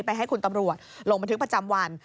ให้คุณตำรวจลงบันทึกประจำวัน